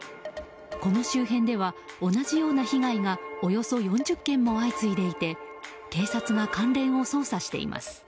この周辺では同じような被害がおよそ４０件も相次いでいて警察が関連を捜査しています。